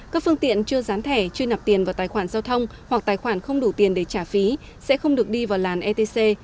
các phương tiện chưa gián thẻ chưa nạp tiền vào tài khoản giao thông hoặc tài khoản không đủ tiền để trả phí sẽ không được đi vào làn etc